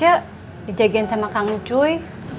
iya di jagain sama kamu cuy